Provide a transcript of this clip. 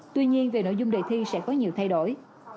tuy nhiên về nội dung đề thi sẽ có nhiều thay đổi